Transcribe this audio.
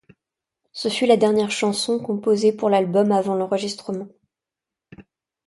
Ce fut la dernière chanson composée pour l'album avant l'enregistrement.